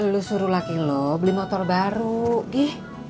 lo suruh laki lo beli motor baru gi